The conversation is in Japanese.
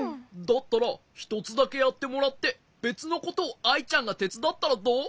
だったらひとつだけやってもらってべつのことをアイちゃんがてつだったらどう？